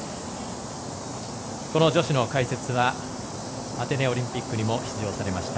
この女子の解説はアテネオリンピックにも出場されました。